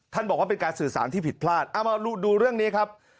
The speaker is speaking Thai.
บอกว่าเป็นการสื่อสารที่ผิดพลาดเอามาดูเรื่องนี้ครับ